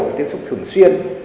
có thể tiếp xúc thường xuyên